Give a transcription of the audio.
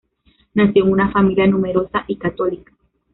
Nació en una familia numerosa y católica.